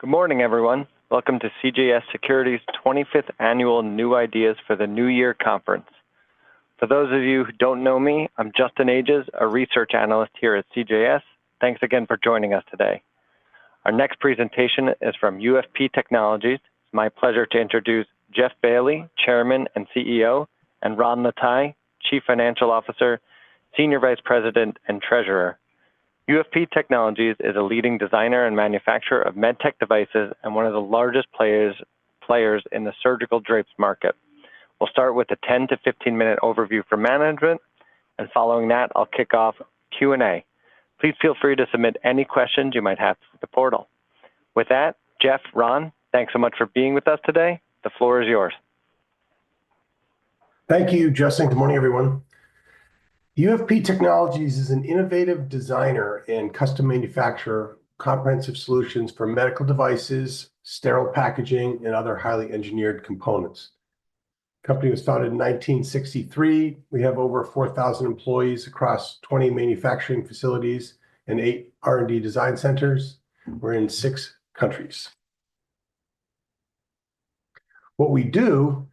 Good morning, everyone. Welcome to CJS Securities' 25th Annual New Ideas for the New Year Conference. For those of you who don't know me, I'm Justin Ages, a Research Analyst here at CJS. Thanks again for joining us today. Our next presentation is from UFP Technologies. It's my pleasure to introduce Jeff Bailly, Chairman and CEO, and Ron Lataille, Chief Financial Officer, Senior Vice President, and Treasurer. UFP Technologies is a leading designer and manufacturer of med tech devices and one of the largest players in the surgical drapes market. We'll start with a 10-15 minute overview for management, and following that, I'll kick off Q&A. Please feel free to submit any questions you might have through the portal. With that, Jeff, Ron, thanks so much for being with us today. The floor is yours. Thank you, Justin. Good morning, everyone. UFP Technologies is an innovative designer and custom manufacturer of comprehensive solutions for medical devices, sterile packaging, and other highly engineered components. The company was founded in 1963. We have over 4,000 employees across 20 manufacturing facilities and eight R&D design centers. We're in six countries. What we do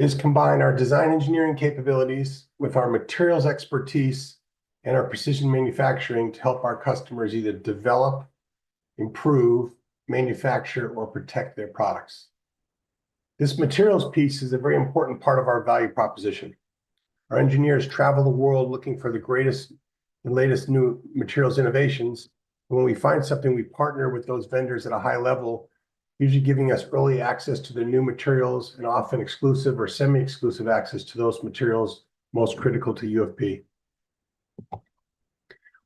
is combine our design engineering capabilities with our materials expertise and our precision manufacturing to help our customers either develop, improve, manufacture, or protect their products. This materials piece is a very important part of our value proposition. Our engineers travel the world looking for the greatest and latest new materials innovations. When we find something, we partner with those vendors at a high level, usually giving us early access to their new materials and often exclusive or semi-exclusive access to those materials most critical to UFP.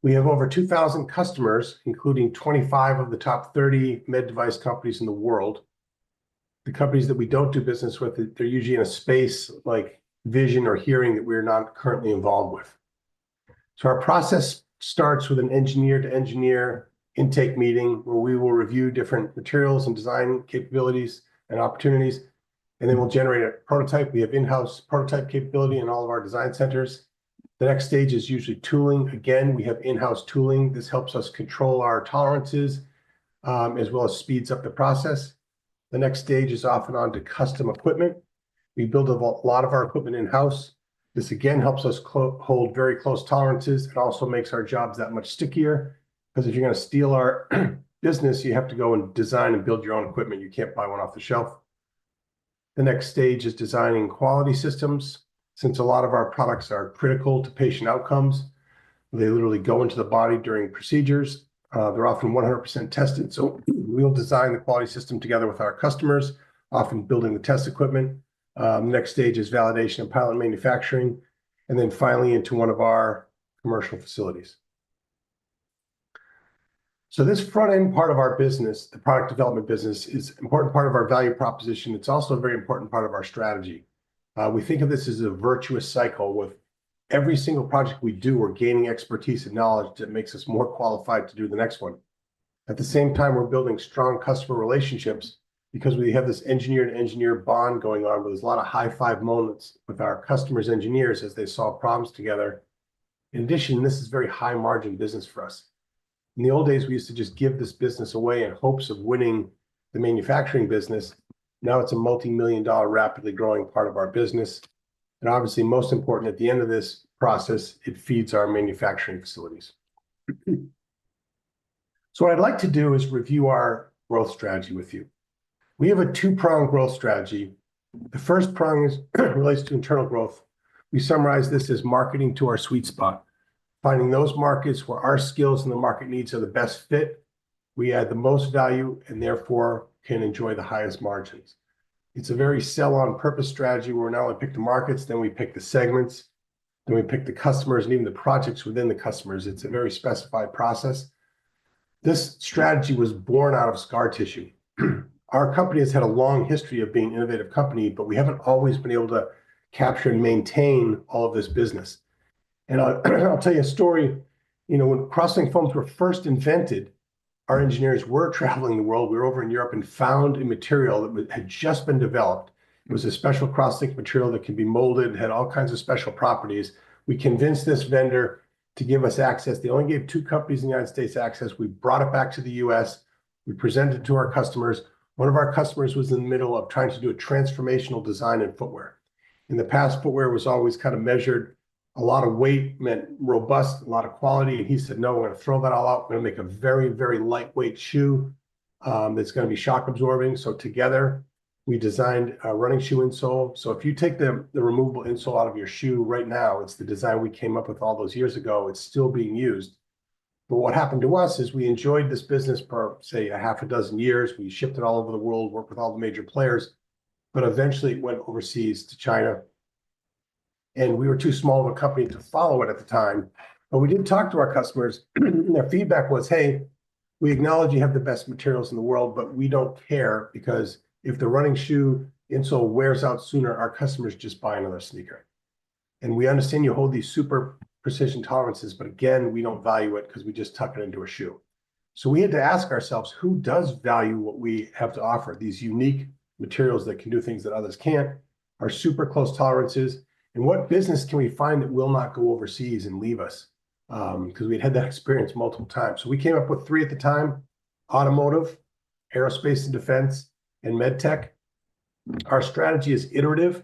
We have over 2,000 customers, including 25 of the top 30 med device companies in the world. The companies that we don't do business with, they're usually in a space like vision or hearing that we're not currently involved with. So our process starts with an engineer-to-engineer intake meeting where we will review different materials and design capabilities and opportunities, and then we'll generate a prototype. We have in-house prototype capability in all of our design centers. The next stage is usually tooling. Again, we have in-house tooling. This helps us control our tolerances as well as speeds up the process. The next stage is often onto custom equipment. We build a lot of our equipment in-house. This again helps us hold very close tolerances and also makes our jobs that much stickier because if you're going to steal our business, you have to go and design and build your own equipment. You can't buy one off the shelf. The next stage is designing quality systems. Since a lot of our products are critical to patient outcomes, they literally go into the body during procedures. They're often 100% tested. So we'll design the quality system together with our customers, often building the test equipment. The next stage is validation and pilot manufacturing, and then finally into one of our commercial facilities. So this front-end part of our business, the product development business, is an important part of our value proposition. It's also a very important part of our strategy. We think of this as a virtuous cycle. With every single project we do, we're gaining expertise and knowledge that makes us more qualified to do the next one. At the same time, we're building strong customer relationships because we have this engineer-to-engineer bond going on where there's a lot of high-five moments with our customers' engineers as they solve problems together. In addition, this is a very high-margin business for us. In the old days, we used to just give this business away in hopes of winning the manufacturing business. Now it's a multimillion-dollar project, rapidly growing part of our business. And obviously, most important at the end of this process, it feeds our manufacturing facilities. So what I'd like to do is review our growth strategy with you. We have a two-pronged growth strategy. The first prong relates to internal growth. We summarize this as marketing to our sweet spot, finding those markets where our skills and the market needs are the best fit. We add the most value and therefore can enjoy the highest margins. It's a very sell-on-purpose strategy where we not only pick the markets, then we pick the segments, then we pick the customers and even the projects within the customers. It's a very specified process. This strategy was born out of scar tissue. Our company has had a long history of being an innovative company, but we haven't always been able to capture and maintain all of this business, and I'll tell you a story. When cross-linked foams were first invented, our engineers were traveling the world. We were over in Europe and found a material that had just been developed. It was a special crosslink material that could be molded and had all kinds of special properties. We convinced this vendor to give us access. They only gave two companies in the United States access. We brought it back to the U.S. We presented it to our customers. One of our customers was in the middle of trying to do a transformational design in footwear. In the past, footwear was always kind of measured. A lot of weight meant robust, a lot of quality. And he said, "No, we're going to throw that all out. We're going to make a very, very lightweight shoe that's going to be shock-absorbing." So together, we designed a running shoe insole. So if you take the removable insole out of your shoe right now, it's the design we came up with all those years ago. It's still being used. But what happened to us is we enjoyed this business for, say, a half a dozen years. We shipped it all over the world, worked with all the major players, but eventually it went overseas to China. And we were too small of a company to follow it at the time. But we did talk to our customers. Their feedback was, "Hey, we acknowledge you have the best materials in the world, but we don't care because if the running shoe insole wears out sooner, our customers just buy another sneaker." And we understand you hold these super precision tolerances, but again, we don't value it because we just tuck it into a shoe. So we had to ask ourselves, "Who does value what we have to offer, these unique materials that can do things that others can't, our super close tolerances? And what business can we find that will not go overseas and leave us?" Because we had had that experience multiple times. So we came up with three at the time: automotive, aerospace and defense, and med tech. Our strategy is iterative.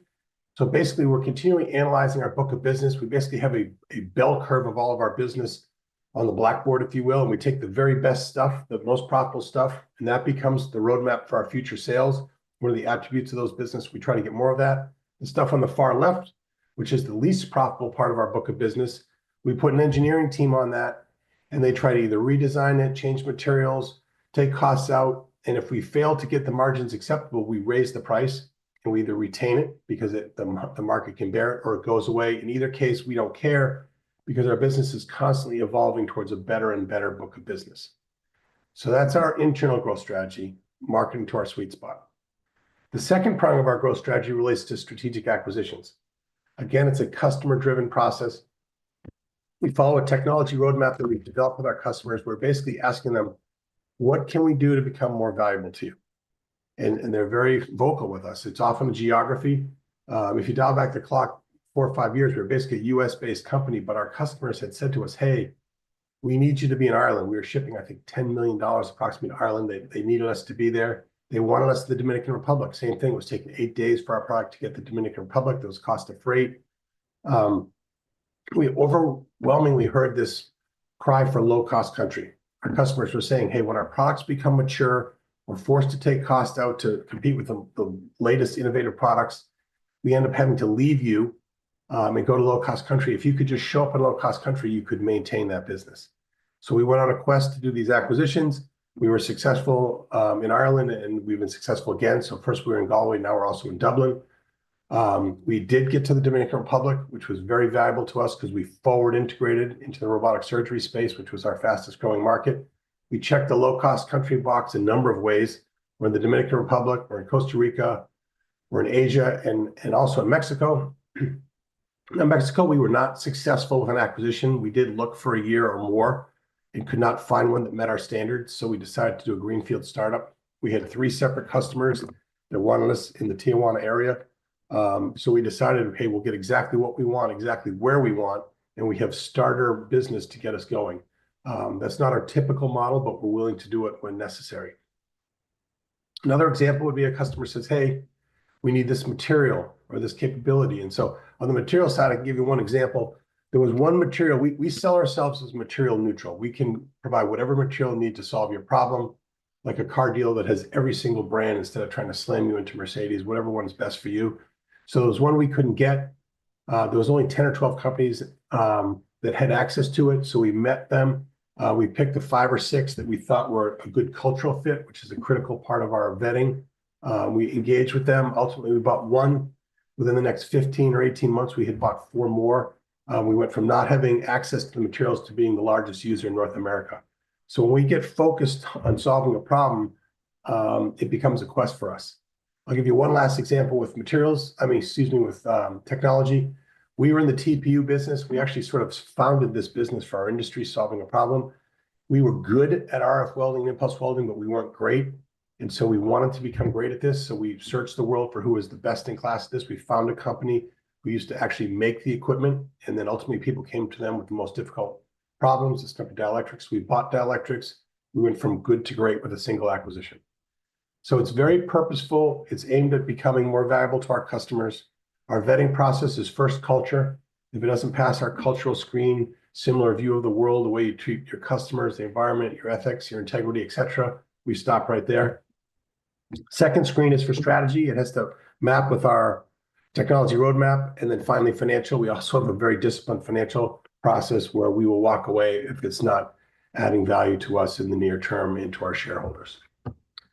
So basically, we're continually analyzing our book of business. We basically have a bell curve of all of our business on the blackboard, if you will. And we take the very best stuff, the most profitable stuff, and that becomes the roadmap for our future sales. One of the attributes of those business, we try to get more of that. The stuff on the far left, which is the least profitable part of our book of business, we put an engineering team on that, and they try to either redesign it, change materials, take costs out. And if we fail to get the margins acceptable, we raise the price, and we either retain it because the market can bear it or it goes away. In either case, we don't care because our business is constantly evolving towards a better and better book of business. So that's our internal growth strategy, marketing to our sweet spot. The second prong of our growth strategy relates to strategic acquisitions. Again, it's a customer-driven process. We follow a technology roadmap that we've developed with our customers. We're basically asking them, "What can we do to become more valuable to you?" And they're very vocal with us. It's often geography. If you dial back the clock 4-5 years, we're basically a U.S.-based company, but our customers had said to us, "Hey, we need you to be in Ireland." We were shipping, I think, $10 million approximately to Ireland. They needed us to be there. They wanted us to the Dominican Republic. Same thing. It was taking eight days for our product to get to the Dominican Republic. It was cost of freight. We overwhelmingly heard this cry for a low-cost country. Our customers were saying, "Hey, when our products become mature, we're forced to take costs out to compete with the latest innovative products. We end up having to leave you and go to low-cost country. If you could just show up in a low-cost country, you could maintain that business." So we went on a quest to do these acquisitions. We were successful in Ireland, and we've been successful again. So first we were in Galway. Now we're also in Dublin. We did get to the Dominican Republic, which was very valuable to us because we forward integrated into the robotic surgery space, which was our fastest-growing market. We checked the low-cost country box a number of ways: we're in the Dominican Republic, we're in Costa Rica, we're in Asia, and also in Mexico. In Mexico, we were not successful with an acquisition. We did look for a year or more and could not find one that met our standards. So we decided to do a greenfield startup. We had three separate customers. They wanted us in the Tijuana area. So we decided, "Okay, we'll get exactly what we want, exactly where we want, and we have starter business to get us going." That's not our typical model, but we're willing to do it when necessary. Another example would be a customer says, "Hey, we need this material or this capability." And so on the material side, I can give you one example. There was one material. We sell ourselves as material neutral. We can provide whatever material you need to solve your problem, like a car dealer that has every single brand instead of trying to slam you into Mercedes, whatever one is best for you. So there was one we couldn't get. There was only 10 or 12 companies that had access to it. So we met them. We picked the five or six that we thought were a good cultural fit, which is a critical part of our vetting. We engaged with them. Ultimately, we bought one. Within the next 15-18 months, we had bought four more. We went from not having access to the materials to being the largest user in North America. So when we get focused on solving a problem, it becomes a quest for us. I'll give you one last example with materials. I mean, excuse me, with technology. We were in the TPU business. We actually sort of founded this business for our industry solving a problem. We were good at RF welding and impulse welding, but we weren't great. And so we wanted to become great at this. So we searched the world for who was the best in class at this. We found a company. We used to actually make the equipment, and then ultimately people came to them with the most difficult problems, the stuff with Dielectrics. We bought Dielectrics. We went from good to great with a single acquisition. So it's very purposeful. It's aimed at becoming more valuable to our customers. Our vetting process is first culture. If it doesn't pass our cultural screen, similar view of the world, the way you treat your customers, the environment, your ethics, your integrity, etc., we stop right there. Second screen is for strategy. It has to map with our technology roadmap. And then finally, financial. We also have a very disciplined financial process where we will walk away if it's not adding value to us in the near term and to our shareholders.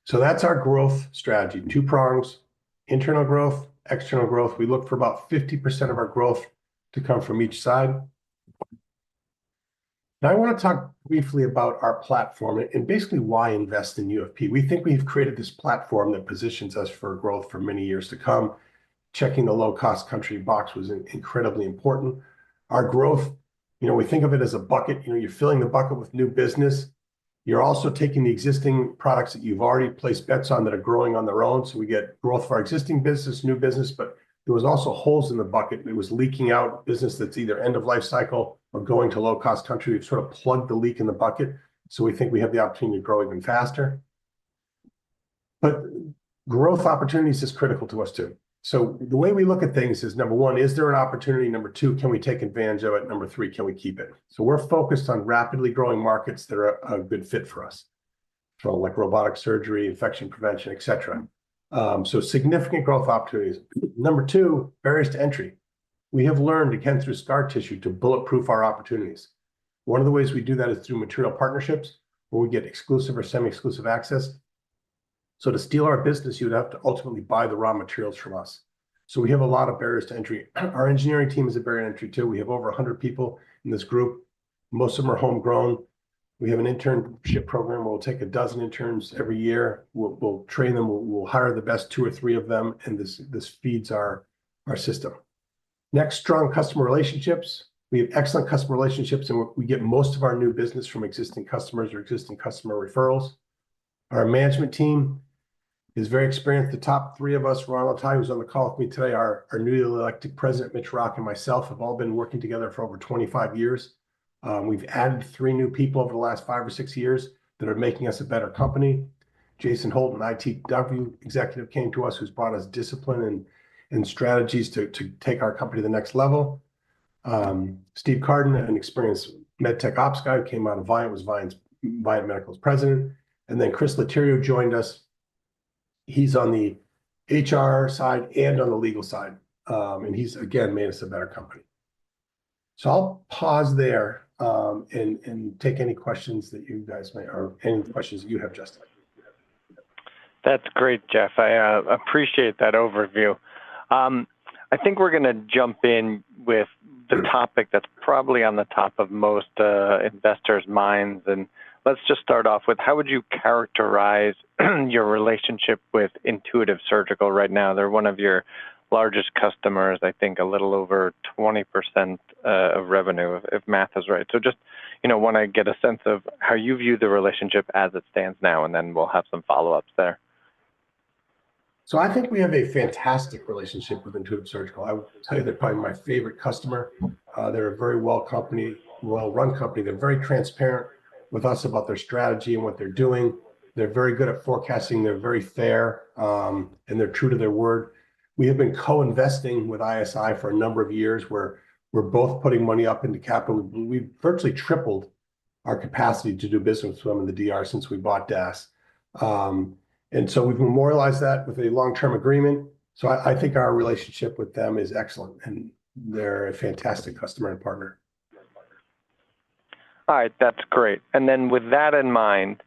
So that's our growth strategy. Two prongs: internal growth, external growth. We look for about 50% of our growth to come from each side. Now I want to talk briefly about our platform and basically why invest in UFP. We think we have created this platform that positions us for growth for many years to come. Checking the low-cost country box was incredibly important. Our growth, we think of it as a bucket. You're filling the bucket with new business. You're also taking the existing products that you've already placed bets on that are growing on their own, so we get growth for our existing business, new business, but there were also holes in the bucket, it was leaking out business that's either end-of-life cycle or going to low-cost country, we've sort of plugged the leak in the bucket, so we think we have the opportunity to grow even faster, but growth opportunities are critical to us too, so the way we look at things is, number one, is there an opportunity? Number two, can we take advantage of it? Number three, can we keep it, so we're focused on rapidly growing markets that are a good fit for us, like robotic surgery, infection prevention, etc. Significant growth opportunities. Number two, barriers to entry. We have learned, again, through scar tissue to bulletproof our opportunities. One of the ways we do that is through material partnerships where we get exclusive or semi-exclusive access. To steal our business, you would have to ultimately buy the raw materials from us. We have a lot of barriers to entry. Our engineering team is a barrier to entry too. We have over 100 people in this group. Most of them are homegrown. We have an internship program where we'll take a dozen interns every year. We'll train them. We'll hire the best two or three of them, and this feeds our system. Next, strong customer relationships. We have excellent customer relationships, and we get most of our new business from existing customers or existing customer referrals. Our management team is very experienced. The top three of us, Ronald Lataille, who's on the call with me today, our new executive president, Mitch Rock, and myself have all been working together for over 25 years. We've added three new people over the last 5-6 years that are making us a better company. Jason Holton, ITW executive, came to us, who's brought us discipline and strategies to take our company to the next level. Steve Carden, an experienced med tech ops guy who came out of Viant, was Viant Medical's president, and then Chris Litterio joined us. He's on the HR side and on the legal side, and he's, again, made us a better company, so I'll pause there and take any questions that you guys may or any questions you have, Justin. That's great, Jeff. I appreciate that overview. I think we're going to jump in with the topic that's probably on the top of most investors' minds. And let's just start off with, how would you characterize your relationship with Intuitive Surgical right now? They're one of your largest customers, I think a little over 20% of revenue, if math is right. So just want to get a sense of how you view the relationship as it stands now, and then we'll have some follow-ups there. So I think we have a fantastic relationship with Intuitive Surgical. I will tell you, they're probably my favorite customer. They're a very well-run company. They're very transparent with us about their strategy and what they're doing. They're very good at forecasting. They're very fair, and they're true to their word. We have been co-investing with ISI for a number of years where we're both putting money up into capital. We've virtually tripled our capacity to do business with them in the DR since we bought DAS, and so we've memorialized that with a long-term agreement, so I think our relationship with them is excellent, and they're a fantastic customer and partner. All right. That's great, and then with that in mind,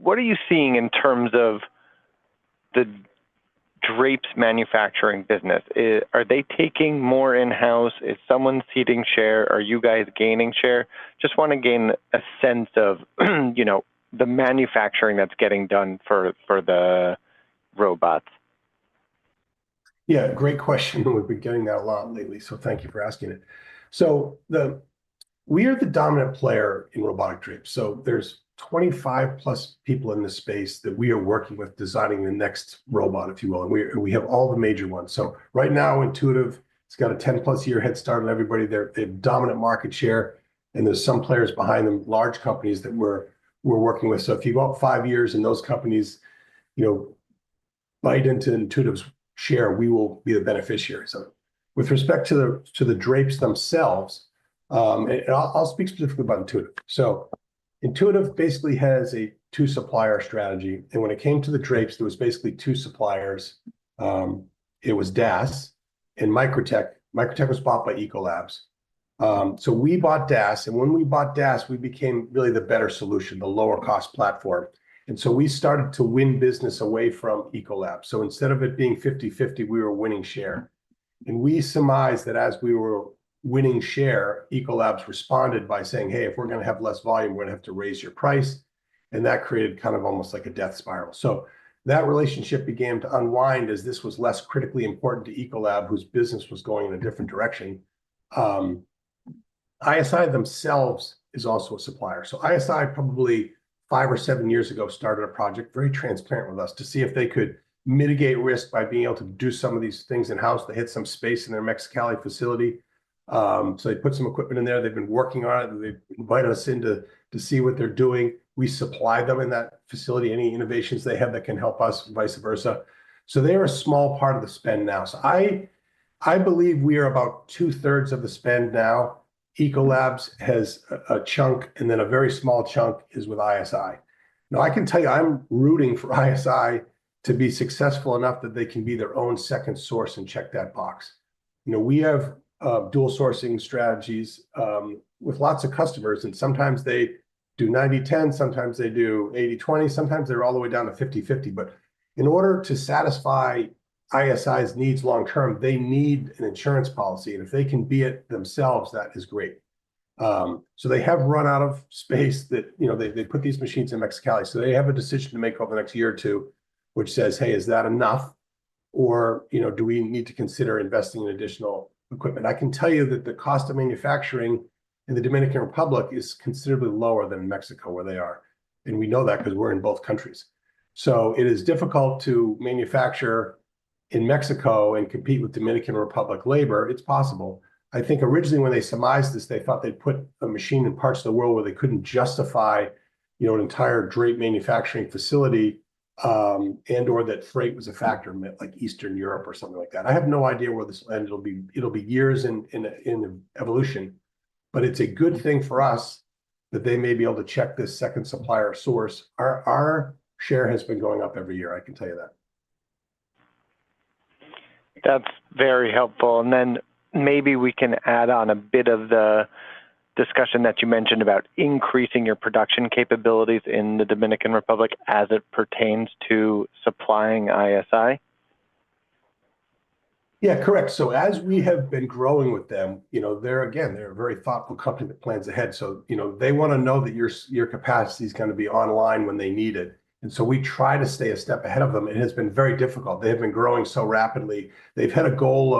what are you seeing in terms of the drapes manufacturing business? Are they taking more in-house? Is someone ceding share? Are you guys gaining share? Just want to gain a sense of the manufacturing that's getting done for the robots. Yeah. Great question. We've been getting that a lot lately, so thank you for asking it, so we are the dominant player in robotic drapes, so there's 25+ people in this space that we are working with designing the next robot, if you will, and we have all the major ones. So right now, Intuitive, it's got a 10+ year head start on everybody. They're a dominant market share, and there's some players behind them, large companies that we're working with. So if you go out five years and those companies bite into Intuitive's share, we will be the beneficiaries. With respect to the drapes themselves, and I'll speak specifically about Intuitive. So Intuitive basically has a two-supplier strategy. And when it came to the drapes, there were basically two suppliers. It was DAS and Microtek. Microtek was bought by Ecolab. So we bought DAS. And when we bought DAS, we became really the better solution, the lower-cost platform. And so we started to win business away from Ecolab. So instead of it being 50/50, we were winning share. We surmised that as we were winning share, Ecolab responded by saying, "Hey, if we're going to have less volume, we're going to have to raise your price." And that created kind of almost like a death spiral. So that relationship began to unwind as this was less critically important to Ecolab, whose business was going in a different direction. ISI themselves is also a supplier. So ISI, probably five or seven years ago, started a project, very transparent with us, to see if they could mitigate risk by being able to do some of these things in-house. They had some space in their Mexicali facility. So they put some equipment in there. They've been working on it. They've invited us in to see what they're doing. We supply them in that facility. Any innovations they have that can help us, vice versa. They are a small part of the spend now. I believe we are about two-thirds of the spend now. Ecolab has a chunk, and then a very small chunk is with ISI. Now, I can tell you, I'm rooting for ISI to be successful enough that they can be their own second source and check that box. We have dual sourcing strategies with lots of customers. And sometimes they do 90/10. Sometimes they do 80/20. Sometimes they're all the way down to 50/50. But in order to satisfy ISI's needs long-term, they need an insurance policy. And if they can be it themselves, that is great. They have run out of space that they put these machines in Mexicali. They have a decision to make over the next year or two, which says, "Hey, is that enough? Or do we need to consider investing in additional equipment?" I can tell you that the cost of manufacturing in the Dominican Republic is considerably lower than in Mexico where they are. And we know that because we're in both countries. So it is difficult to manufacture in Mexico and compete with Dominican Republic labor. It's possible. I think originally when they surmised this, they thought they'd put a machine in parts of the world where they couldn't justify an entire drape manufacturing facility and/or that freight was a factor, like Eastern Europe or something like that. I have no idea where this landed. It'll be years in evolution. But it's a good thing for us that they may be able to check this second supplier source. Our share has been going up every year. I can tell you that. That's very helpful. And then maybe we can add on a bit of the discussion that you mentioned about increasing your production capabilities in the Dominican Republic as it pertains to supplying ISI. Yeah, correct. So as we have been growing with them, again, they're a very thoughtful company that plans ahead. So they want to know that your capacity is going to be online when they need it. And so we try to stay a step ahead of them. It has been very difficult. They have been growing so rapidly. They've had a goal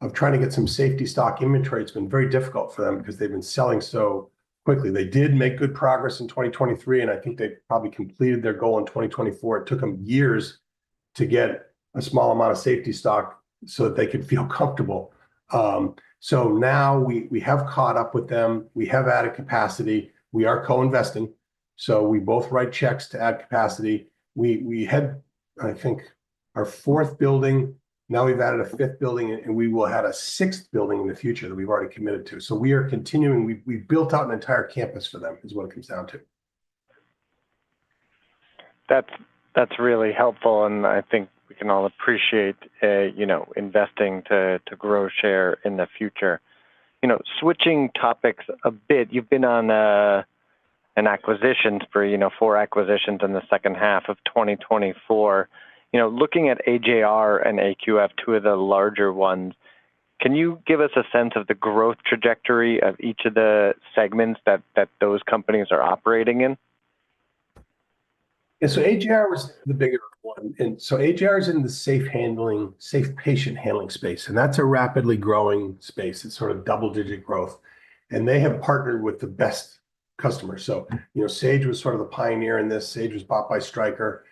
of trying to get some safety stock inventory. It's been very difficult for them because they've been selling so quickly. They did make good progress in 2023, and I think they probably completed their goal in 2024. It took them years to get a small amount of safety stock so that they could feel comfortable. So now we have caught up with them. We have added capacity. We are co-investing. So we both write checks to add capacity. We had, I think, our fourth building. Now we've added a fifth building, and we will add a sixth building in the future that we've already committed to. So we are continuing. We've built out an entire campus for them is what it comes down to. That's really helpful. And I think we can all appreciate investing to grow share in the future. Switching topics a bit, you've been on four acquisitions in the second half of 2024. Looking at AJR and AQF, two of the larger ones, can you give us a sense of the growth trajectory of each of the segments that those companies are operating in? Yeah. So AJR was the bigger one. And so AJR is in the safe patient handling space. That's a rapidly growing space. It's sort of double-digit growth. They have partnered with the best customers. Sage was sort of the pioneer in this. Sage was bought by Stryker.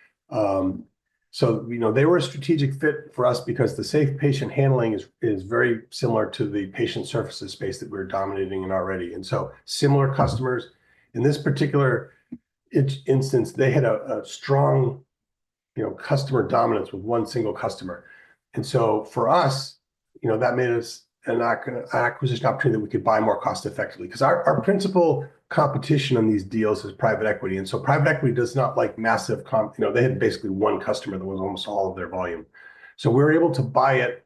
They were a strategic fit for us because the safe patient handling is very similar to the patient services space that we're dominating in already. Similar customers. In this particular instance, they had a strong customer dominance with one single customer. For us, that made us an acquisition opportunity that we could buy more cost-effectively because our principal competition on these deals is private equity. Private equity does not like massive comp. They had basically one customer that was almost all of their volume. We were able to buy it,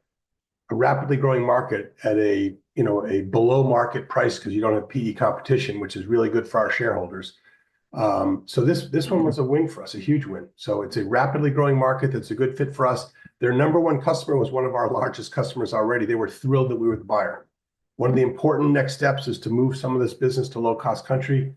a rapidly growing market, at a below-market price because you don't have PE competition, which is really good for our shareholders. This one was a win for us, a huge win. It's a rapidly growing market that's a good fit for us. Their number one customer was one of our largest customers already. They were thrilled that we were the buyer. One of the important next steps is to move some of this business to low-cost country.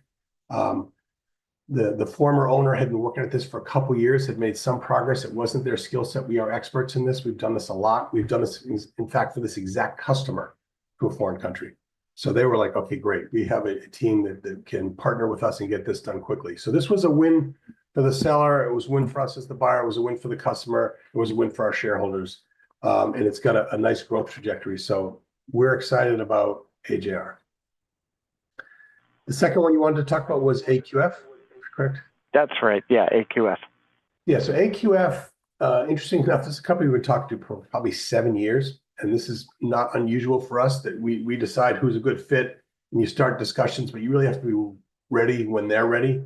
The former owner had been working at this for a couple of years, had made some progress. It wasn't their skill set. We are experts in this. We've done this a lot. We've done this, in fact, for this exact customer to a foreign country. They were like, "Okay, great. We have a team that can partner with us and get this done quickly." So this was a win for the seller. It was a win for us as the buyer. It was a win for the customer. It was a win for our shareholders. And it's got a nice growth trajectory. So we're excited about AJR. The second one you wanted to talk about was AQF, correct? That's right. Yeah, AQF. Yeah. So AQF, interesting enough, this is a company we've talked to for probably seven years. And this is not unusual for us that we decide who's a good fit, and you start discussions, but you really have to be ready when they're ready.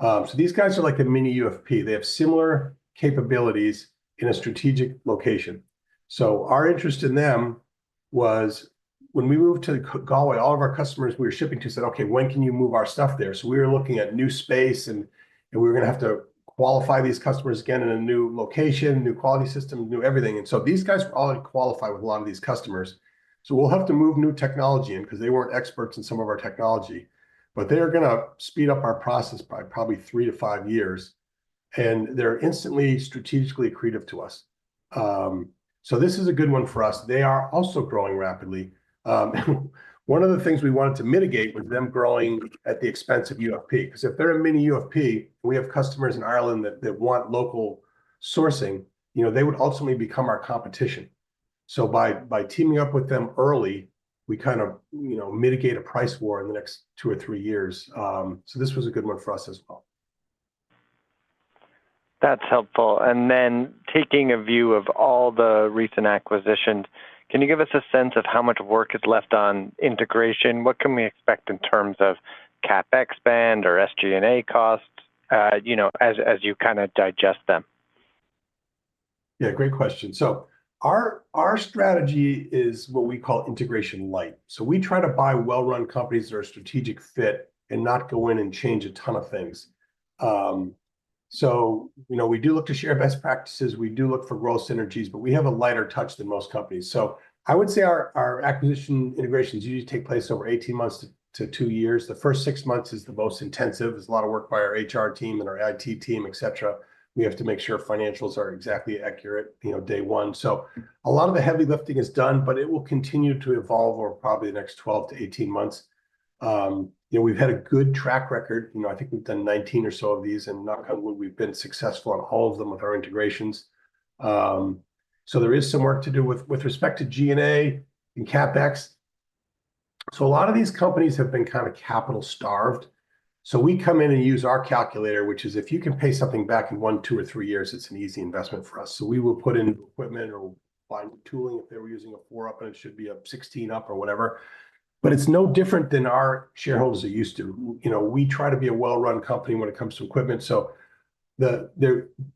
So these guys are like a mini UFP. They have similar capabilities in a strategic location. So our interest in them was when we moved to Galway, all of our customers we were shipping to said, "Okay, when can you move our stuff there?" So we were looking at new space, and we were going to have to qualify these customers again in a new location, new quality systems, new everything. And so these guys already qualify with a lot of these customers. So we'll have to move new technology in because they weren't experts in some of our technology. But they are going to speed up our process by probably three to five years. And they're instantly strategically creative to us. So this is a good one for us. They are also growing rapidly. One of the things we wanted to mitigate was them growing at the expense of UFP because if they're a mini UFP and we have customers in Ireland that want local sourcing, they would ultimately become our competition, so by teaming up with them early, we kind of mitigate a price war in the next two or three years, so this was a good one for us as well. That's helpful, and then taking a view of all the recent acquisitions, can you give us a sense of how much work is left on integration? What can we expect in terms of CapEx or SG&A costs as you kind of digest them? Yeah, great question, so our strategy is what we call integration light. So we try to buy well-run companies that are a strategic fit and not go in and change a ton of things. We do look to share best practices. We do look for growth synergies, but we have a lighter touch than most companies. I would say our acquisition integrations usually take place over 18 months to two years. The first six months is the most intensive. There's a lot of work by our HR team and our IT team, etc. We have to make sure financials are exactly accurate day one. A lot of the heavy lifting is done, but it will continue to evolve over probably the next 12-18 months. We've had a good track record. I think we've done 19 or so of these, and knock on wood, we've been successful on all of them with our integrations. There is some work to do with respect to SG&A and CapEx. A lot of these companies have been kind of capital-starved. So we come in and use our calculator, which is if you can pay something back in one, two, or three years, it's an easy investment for us. So we will put in equipment or buy new tooling if they were using a 4-up, and it should be a 16-up or whatever. But it's no different than our shareholders are used to. We try to be a well-run company when it comes to equipment. So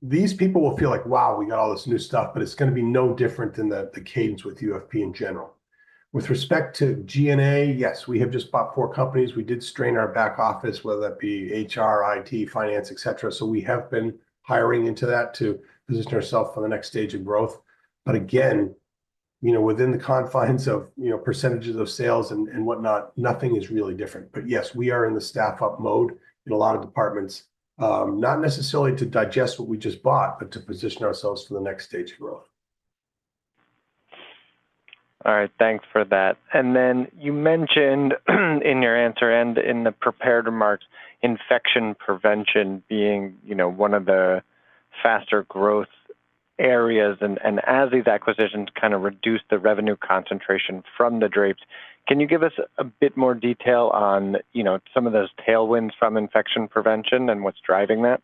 these people will feel like, "Wow, we got all this new stuff," but it's going to be no different than the cadence with UFP in general. With respect to SG&A, yes, we have just bought four companies. We did strain our back office, whether that be HR, IT, finance, etc. So we have been hiring into that to position ourselves for the next stage of growth. But again, within the confines of percentages of sales and whatnot, nothing is really different. But yes, we are in the staff-up mode in a lot of departments, not necessarily to digest what we just bought, but to position ourselves for the next stage of growth. All right. Thanks for that. And then you mentioned in your answer and in the prepared remarks, infection prevention being one of the faster growth areas. And as these acquisitions kind of reduce the revenue concentration from the drapes, can you give us a bit more detail on some of those tailwinds from infection prevention and what's driving that?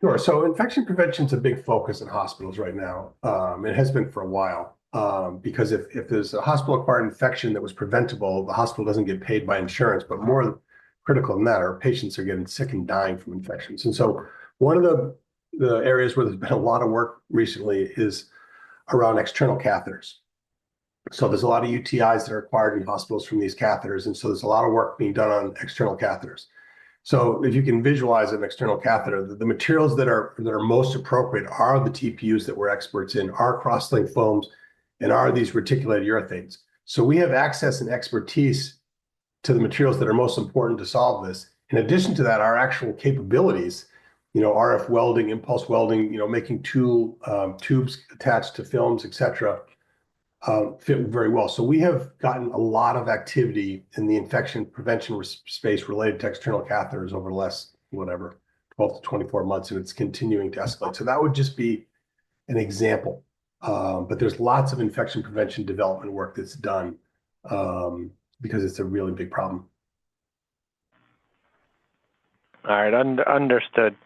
Sure. So infection prevention is a big focus in hospitals right now. It has been for a while because if there's a hospital-acquired infection that was preventable, the hospital doesn't get paid by insurance. But more critical than that, our patients are getting sick and dying from infections. And so one of the areas where there's been a lot of work recently is around external catheters. So there's a lot of UTIs that are acquired in hospitals from these catheters. And so there's a lot of work being done on external catheters. So if you can visualize an external catheter, the materials that are most appropriate are the TPUs that we're experts in, our cross-linked foams, and are these reticulated urethanes. So we have access and expertise to the materials that are most important to solve this. In addition to that, our actual capabilities, RF welding, impulse welding, making two tubes attached to films, etc., fit very well. We have gotten a lot of activity in the infection prevention space related to external catheters over the last, whatever, 12-24 months, and it's continuing to escalate. So that would just be an example. But there's lots of infection prevention development work that's done because it's a really big problem. All right. Understood.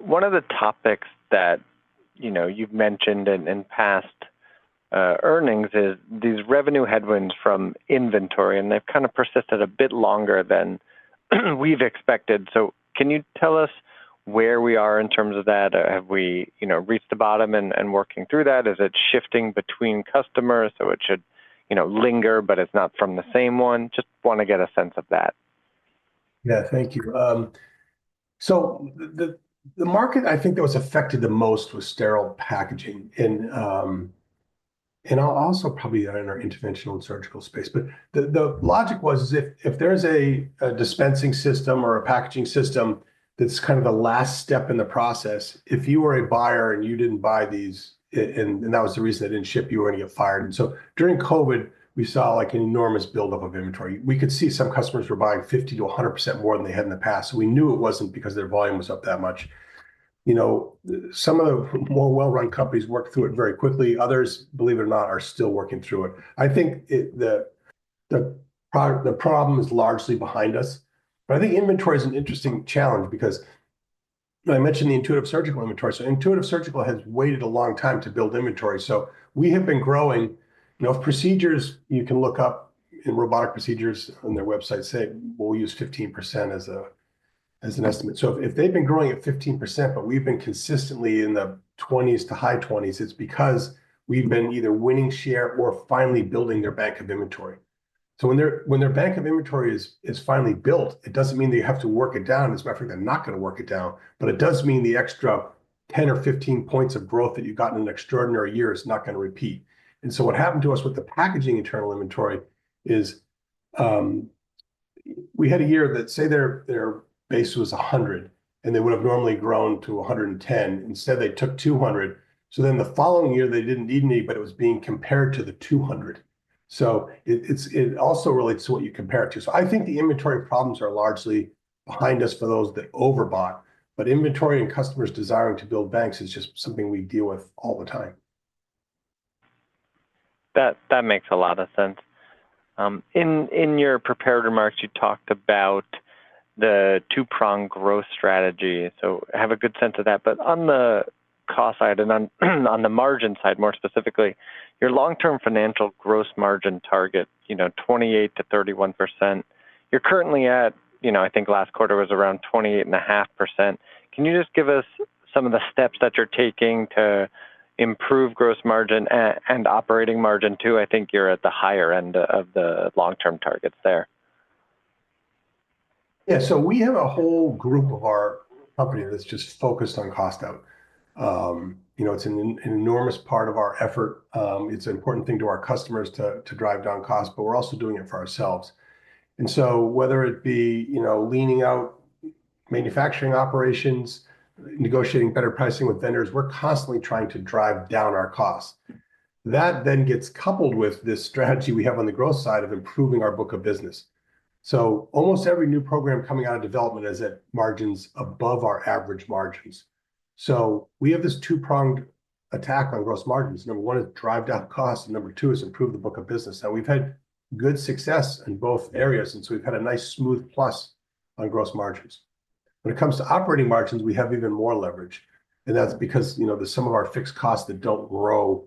One of the topics that you've mentioned in past earnings is these revenue headwinds from inventory, and they've kind of persisted a bit longer than we've expected. So can you tell us where we are in terms of that? Have we reached the bottom and working through that? Is it shifting between customers? So it should linger, but it's not from the same one. Just want to get a sense of that. Yeah. Thank you. So the market I think that was affected the most was sterile packaging. I'll also probably add in our interventional and surgical space. But the logic was if there's a dispensing system or a packaging system that's kind of the last step in the process, if you were a buyer and you didn't buy these, and that was the reason they didn't ship, you were going to get fired. And so during COVID, we saw an enormous buildup of inventory. We could see some customers were buying 50% to 100% more than they had in the past. So we knew it wasn't because their volume was up that much. Some of the more well-run companies worked through it very quickly. Others, believe it or not, are still working through it. I think the problem is largely behind us. But I think inventory is an interesting challenge because I mentioned the Intuitive Surgical inventory. So Intuitive Surgical has waited a long time to build inventory. So we have been growing. If procedures, you can look up in robotic procedures on their website, say, "We'll use 15% as an estimate." So if they've been growing at 15%, but we've been consistently in the 20s to high 20s, it's because we've been either winning share or finally building their bank of inventory. So when their bank of inventory is finally built, it doesn't mean they have to work it down. It's not for them not to work it down. But it does mean the extra 10 to 15 points of growth that you've gotten in an extraordinary year is not going to repeat. And so what happened to us with the packaging internal inventory is we had a year that, say, their base was 100, and they would have normally grown to 110. Instead, they took 200. So then the following year, they didn't need any, but it was being compared to the 200. So it also relates to what you compare it to. So I think the inventory problems are largely behind us for those that overbought. But inventory and customers desiring to build banks is just something we deal with all the time. That makes a lot of sense. In your prepared remarks, you talked about the two-prong growth strategy. So I have a good sense of that. But on the cost side and on the margin side, more specifically, your long-term financial gross margin target, 28%-31%. You're currently at, I think last quarter was around 28.5%. Can you just give us some of the steps that you're taking to improve gross margin and operating margin too? I think you're at the higher end of the long-term targets there. Yeah. So we have a whole group of our company that's just focused on cost out. It's an enormous part of our effort. It's an important thing to our customers to drive down costs, but we're also doing it for ourselves. And so whether it be leaning out manufacturing operations, negotiating better pricing with vendors, we're constantly trying to drive down our costs. That then gets coupled with this strategy we have on the growth side of improving our book of business. So almost every new program coming out of development is at margins above our average margins. So we have this two-pronged attack on gross margins. Number one is drive down costs, and number two is improve the book of business. We've had good success in both areas, and so we've had a nice smooth plus on gross margins. When it comes to operating margins, we have even more leverage. That's because there's some of our fixed costs that don't grow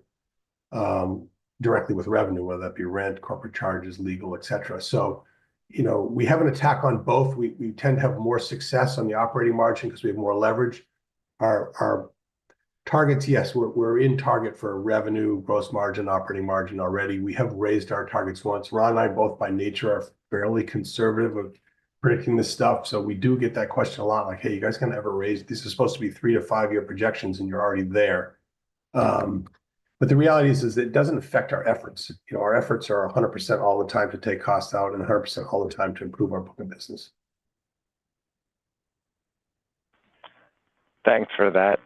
directly with revenue, whether that be rent, corporate charges, legal, etc. We have an attack on both. We tend to have more success on the operating margin because we have more leverage. Our targets, yes, we're in target for revenue, gross margin, operating margin already. We have raised our targets once. Ron and I, both by nature, are fairly conservative of predicting this stuff. We do get that question a lot, like, "Hey, you guys can ever raise? This is supposed to be 3-5 year projections, and you're already there." The reality is that it doesn't affect our efforts. Our efforts are 100% all the time to take costs out and 100% all the time to improve our book of business. Thanks for that.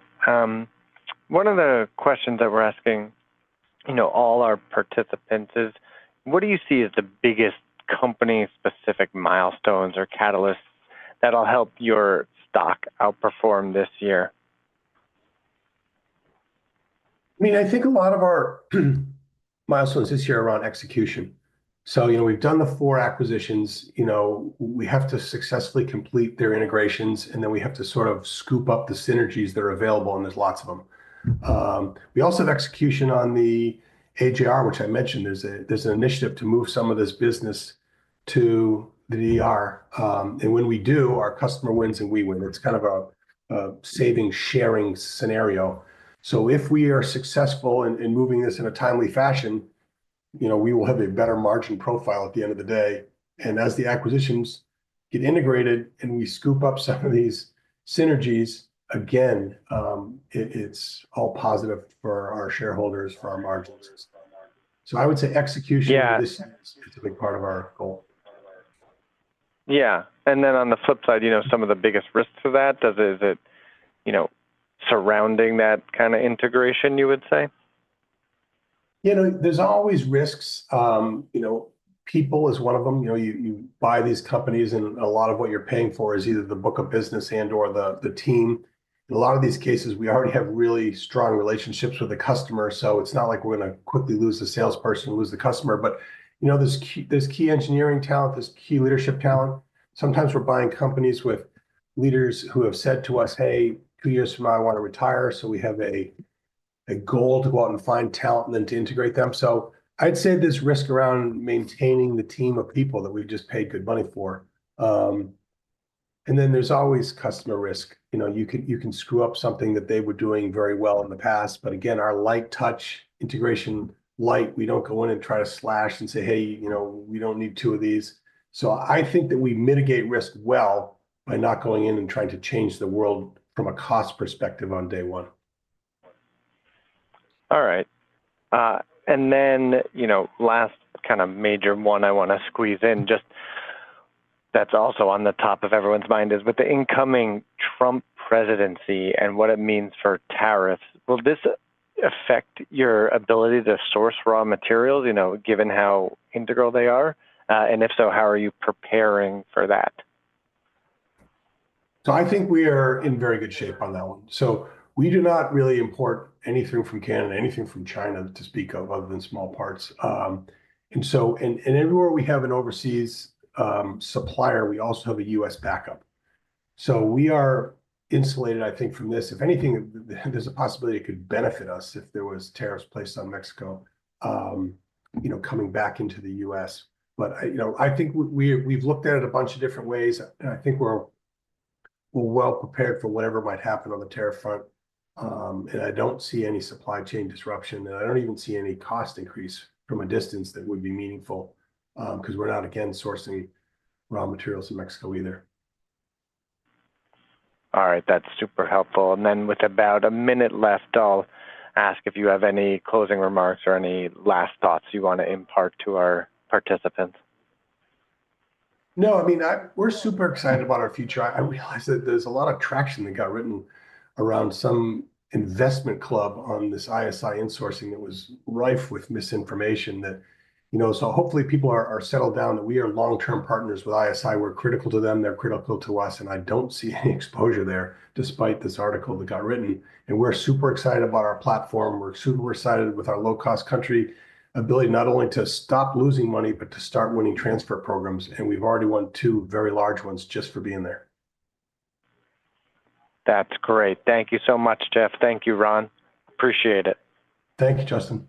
One of the questions that we're asking all our participants is, what do you see as the biggest company-specific milestones or catalysts that will help your stock outperform this year? I mean, I think a lot of our milestones this year are around execution. So we've done the four acquisitions. We have to successfully complete their integrations, and then we have to sort of scoop up the synergies that are available, and there's lots of them. We also have execution on the AJR, which I mentioned. There's an initiative to move some of this business to the DR, and when we do, our customer wins and we win. It's kind of a saving-sharing scenario. So if we are successful in moving this in a timely fashion, we will have a better margin profile at the end of the day. And as the acquisitions get integrated and we scoop up some of these synergies, again, it's all positive for our shareholders, for our margins. So I would say execution is a big part of our goal. Yeah. And then on the flip side, some of the biggest risks of that, is it surrounding that kind of integration, you would say? There's always risks. People is one of them. You buy these companies, and a lot of what you're paying for is either the book of business and/or the team. In a lot of these cases, we already have really strong relationships with the customer. So it's not like we're going to quickly lose the salesperson, lose the customer. But there's key engineering talent, there's key leadership talent. Sometimes we're buying companies with leaders who have said to us, "Hey, two years from now, I want to retire." So we have a goal to go out and find talent and then to integrate them. So I'd say there's risk around maintaining the team of people that we've just paid good money for. And then there's always customer risk. You can screw up something that they were doing very well in the past. But again, our light touch integration, light, we don't go in and try to slash and say, "Hey, we don't need two of these." So I think that we mitigate risk well by not going in and trying to change the world from a cost perspective on day one. All right. And then the last kind of major one I want to squeeze in, just that's also on the top of everyone's mind, is with the incoming Trump presidency and what it means for tariffs. Will this affect your ability to source raw materials, given how integral they are? And if so, how are you preparing for that? So I think we are in very good shape on that one. So we do not really import anything from Canada, anything from China to speak of, other than small parts. And everywhere we have an overseas supplier, we also have a U.S. backup. So we are insulated, I think, from this. If anything, there's a possibility it could benefit us if there were tariffs placed on Mexico coming back into the U.S. But I think we've looked at it a bunch of different ways. And I think we're well prepared for whatever might happen on the tariff front. And I don't see any supply chain disruption. And I don't even see any cost increase from a distance that would be meaningful because we're not, again, sourcing raw materials in Mexico either. All right. That's super helpful. And then with about a minute left, I'll ask if you have any closing remarks or any last thoughts you want to impart to our participants. No, I mean, we're super excited about our future. I realize that there's a lot of traction that got written around some investment club on this ISI insourcing that was rife with misinformation. So hopefully, people are settled down that we are long-term partners with ISI. We're critical to them. They're critical to us. And I don't see any exposure there despite this article that got written. We're super excited about our platform. We're super excited with our low-cost country ability not only to stop losing money, but to start winning transfer programs. We've already won two very large ones just for being there. That's great. Thank you so much, Jeff. Thank you, Ron. Appreciate it. Thank you, Justin.